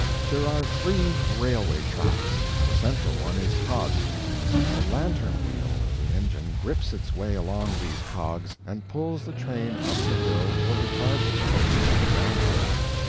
There are three railway tracks; the central one is cogged; the "lantern wheel" of the engine grips its way along these cogs, and pulls the train up the hill or retards its motion on the down trip.